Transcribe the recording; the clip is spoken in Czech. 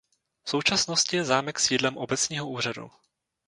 V současnosti je zámek sídlem obecního úřadu.